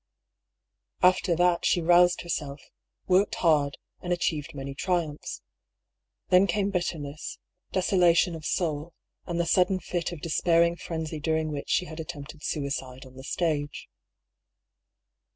After that she roused herself, worked hard, and achieved many triumphs. Then came bitterness, deso lation of soul, and the sudden fit of despairing frenzy during which she had attempted suicide on the stage.